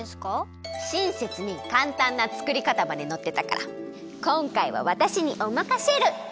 しんせつにかんたんなつくりかたまでのってたからこんかいはわたしにおまかシェル！